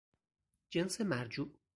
جنس مرجوع